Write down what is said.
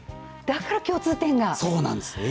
だから共通点が。